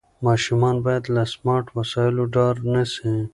ماشومان باید له سمارټ وسایلو ډار نه سي.